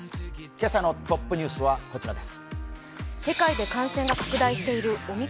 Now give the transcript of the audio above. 今朝のトップニュースはこちらです。